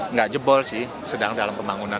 nggak jebol sih sedang dalam pembangunan